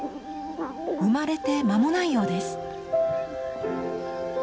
生まれて間もないようです。